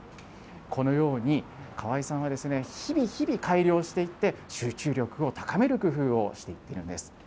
このように、川井さんは日々日々改良していって、集中力を高める工夫をしていってるんです。